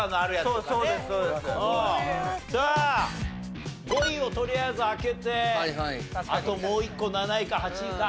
さあ５位をとりあえず開けてあともう１個７位か８位か。